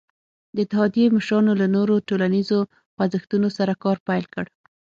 د اتحادیې مشرانو له نورو ټولنیزو خوځښتونو سره کار پیل کړ.